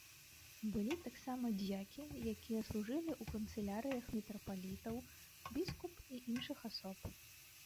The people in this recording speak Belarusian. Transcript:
Былі таксама дзякі якія служылі ў канцылярыях мітрапалітаў, біскуп і іншых асоб.